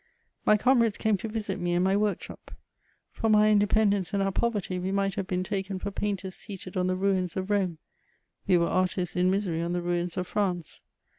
My comrades came to visit me in my workshop. From our independence and our poverty, we might have been taken for painters seated on the ruins of Rome ; we were artists in misery on the ruins of France.